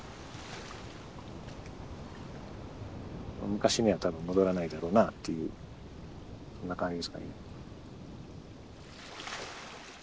昔にはたぶん戻らないだろうなっていうそんな感じですかね。